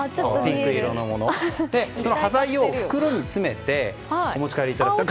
端材を袋に詰めてお持ち帰りいただけます。